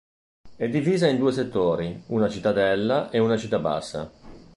È divisa in due settori: una cittadella e una città bassa.